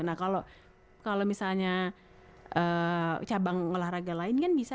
nah kalau misalnya cabang olahraga lain kan bisa